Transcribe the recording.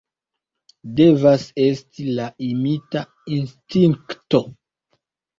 Devas esti la imita instinkto!